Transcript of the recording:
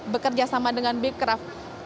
bekerja sama dengan becraft